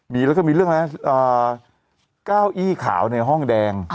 มีเรื่องแหละนะเก้าอี้เขาในห้องแดง